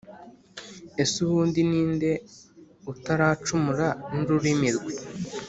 ese ubundi ni nde utaracumura n’ururimi rwe?